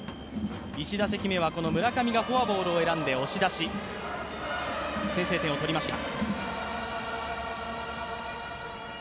１打席目はこの村上がフォアボールを選んで押し出し、先制点を取りました。